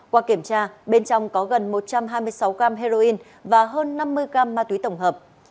qua kiểm tra bên trong có gần một trăm hai mươi sáu gram heroin và hơn năm mươi gram ma túy tổng hợp